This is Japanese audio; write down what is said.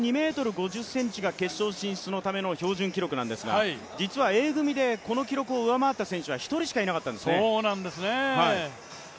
６２ｍ５０ｃｍが決勝進出のための標準記録ですが、実はＡ組でこの記録を上回った選手は一人しかいなかったんですね。